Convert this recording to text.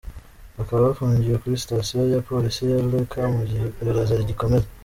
Bakaba bafungiwe kuri sitasiyo ya polisi ya Lacor mu gihe iperereza rigikomeza.